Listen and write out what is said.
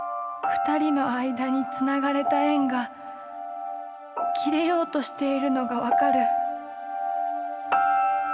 二人の間につながれた縁が切れようとしているのが分かる。